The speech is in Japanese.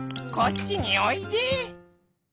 「こっちにおいで」。